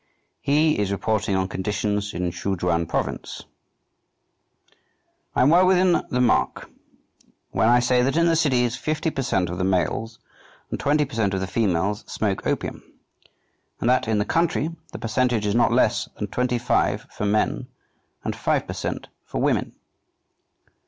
He is reporting on conditions in Szechuen Province: "I am well within the mark when I say that in the cities fifty per cent. of the males and twenty per cent. of the females smoke opium, and that in the country the percentage is not less than twenty five for men and five per cent. for women."